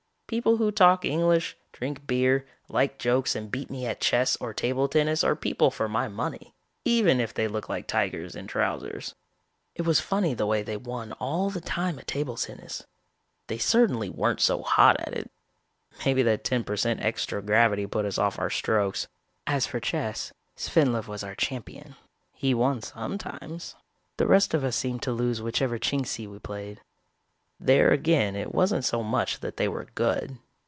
People who talk English, drink beer, like jokes and beat me at chess or table tennis are people for my money, even if they look like tigers in trousers. "It was funny the way they won all the time at table tennis. They certainly weren't so hot at it. Maybe that ten per cent extra gravity put us off our strokes. As for chess, Svendlov was our champion. He won sometimes. The rest of us seemed to lose whichever Chingsi we played. There again it wasn't so much that they were good.